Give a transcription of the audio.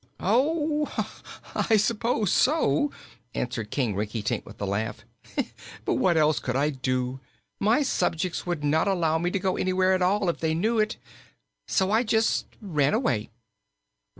"Oh, I suppose so," answered King Rinkitink, with a laugh. "But what else could I do? My subjects would not allow me to go anywhere at all, if they knew it. So I just ran away."